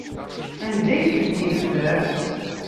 Anda ay tent-yeffer?